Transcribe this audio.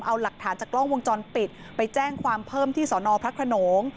เอาหลักฐานจากกล้องวงจรปิดไปแจ้งความเพิ่มที่สอนอพระขนง